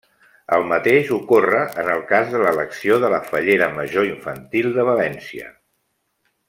El mateix ocorre en el cas de l'elecció de la Fallera Major Infantil de València.